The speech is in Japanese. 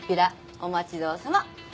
お待ちどおさま。